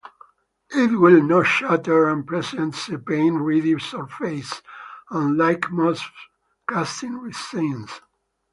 It will not shatter, and presents a paint-ready surface, unlike most casting resins.